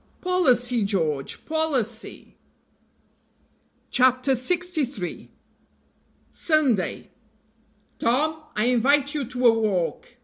"Policy, George! policy!" CHAPTER LXIII. SUNDAY. "TOM, I invite you to a walk."